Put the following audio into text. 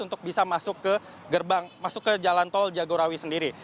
untuk bisa masuk ke gerbang masuk ke jalan tol jagorawi sendiri